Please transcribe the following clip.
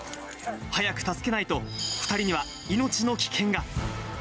早く助けないと、２人には命の危険が。